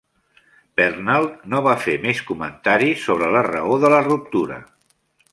Pernald no va fer més comentaris sobre la raó de la ruptura.